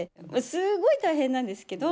すごい大変なんですけど。